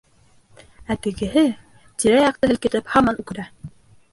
Ә тегеһе, тирә-яҡты һелкетеп һаман үкерә.